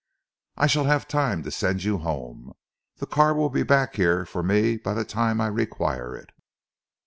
I shall have time to send you home. The car will be back here for me by the time I require it."